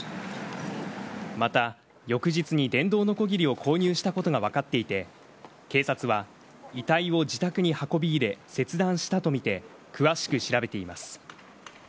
また翌日に電動のこぎりを購入したことが分かっていて、警察は、遺体を自宅に運び入れ、切断したと見て、詳しく調べています。